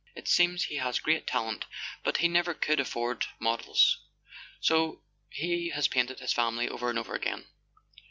It seems he has great talent —but he never could afford models, so he has painted his family over and over again."